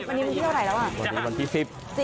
วันนี้วันที่เท่าไหร่แล้วอ่ะวันที่๑๐